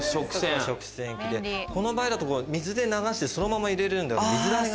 この場合だと水で流してそのまま入れるんで水だれが。